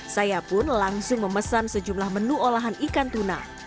saya pun langsung memesan sejumlah menu olahan ikan tuna